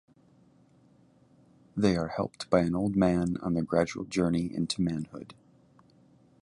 They are helped by an old man on their gradual journey into manhood.